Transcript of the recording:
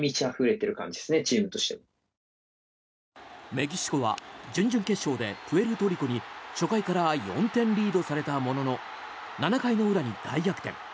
メキシコは準々決勝でプエルトリコに初回から４点リードされたものの７回の裏に大逆転。